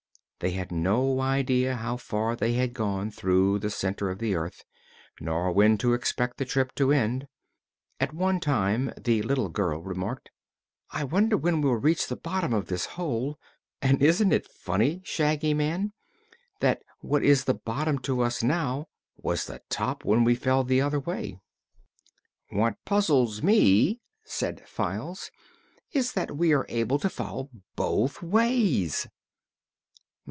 They had no idea how far they had gone through the center of the earth, nor when to expect the trip to end. At one time the little girl remarked: "I wonder when we'll reach the bottom of this hole. And isn't it funny, Shaggy Man, that what is the bottom to us now, was the top when we fell the other way?" "What puzzles me," said Files, "is that we are able to fall both ways."